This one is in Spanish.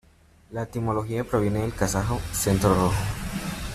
La etimología proviene del kazajo "Centro rojo".